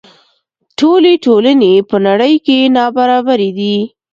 ټولې ټولنې په نړۍ کې نابرابرې دي.